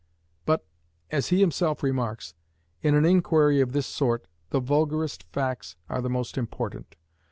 But (as he himself remarks) in an inquiry of this sort the vulgarest facts are the most important.